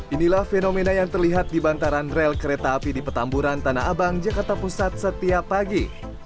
inilah fenomena yang terlihat di bantaran rel kereta api di petamburan tanah abang jakarta pusat setiap pagi